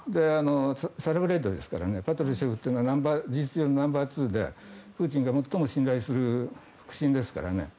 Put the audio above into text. サラブレッドですからパトルシェフは事実上のナンバーツーでプーチンが最も信頼する腹心ですからね